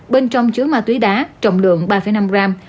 bên trong chứa ma túy đá trọng lượng ba năm gram